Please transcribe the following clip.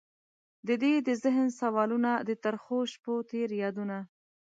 ددې د ذهن سوالونه، د ترخوشپوتیر یادونه